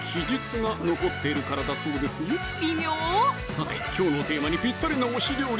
さてきょうのテーマにぴったりな推し料理